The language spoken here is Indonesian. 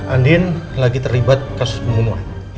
andin lagi terlibat kasus pembunuhan